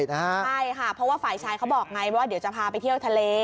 ใช่ค่ะเพราะว่าฝ่ายชายเขาบอกไงว่าเดี๋ยวจะพาไปเที่ยวทะเล